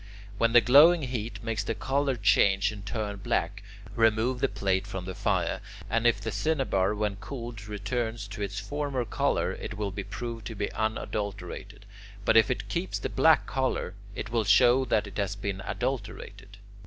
When the glowing heat makes the colour change and turn black, remove the plate from the fire, and if the cinnabar when cooled returns to its former colour, it will be proved to be unadulterated; but if it keeps the black colour, it will show that it has been adulterated.